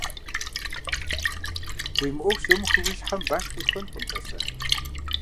Уи мыӀуэху зумыхуи, уи щхьэм баш къихуэнкъым, тӀасэ.